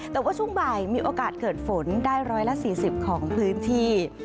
แต่ว่าช่วงบ่ายมีโอกาสเกิดฝนได้๑๔๐ของพื้นที่